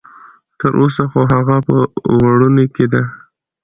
تر اوسه خو هغه په وړوني کې ده.